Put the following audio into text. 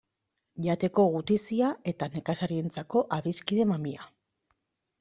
Jateko gutizia eta nekazariarentzako adiskide mamia.